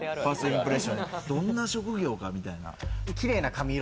どんな職業かみたいな。